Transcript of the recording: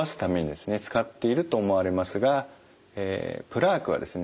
使っていると思われますがプラークはですね